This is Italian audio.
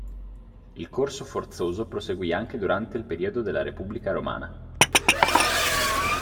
Il corso forzoso proseguì anche durante il periodo della Repubblica Romana.